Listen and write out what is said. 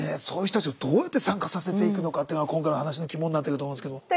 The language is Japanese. そういう人たちをどうやって参加させていくのかっていうのが今回の話の肝になってくると思うんですけど。